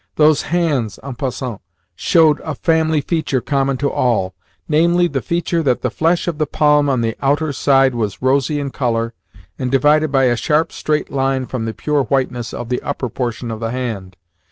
Those hands, en passant, showed a family feature common to all namely, the feature that the flesh of the palm on the outer side was rosy in colour, and divided by a sharp, straight line from the pure whiteness of the upper portion of the hand.